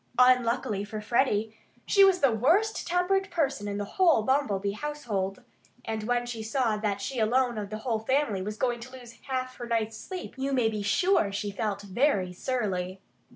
Unluckily for Freddie, she was the worst tempered person in the whole Bumblebee household. And when she saw that she alone of the whole family was going to lose half her night's sleep you may be sure she felt very surly.